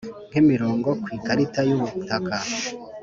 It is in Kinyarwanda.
nk imirongo ku ikarita y ubutaka